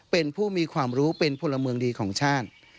เป็นผู้มีความรู้เป็นพลเมืองดีของชาติ